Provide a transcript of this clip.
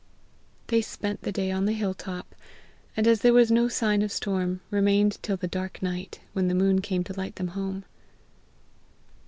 They spent the day on the hill top, and as there was no sign of storm, remained till the dark night, when the moon came to light them home.